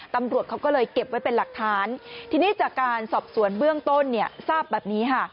ตำรวจเขาก็เลยเก็บไว้เป็นหลักฐานทีนี้จากการสอบสวนเบื้องต้นเนี่ยทราบแบบนี้ค่ะ